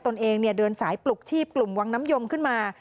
ตนเองเดินสายปลุกชีพกลุ่มวังน้ำยมขึ้นมา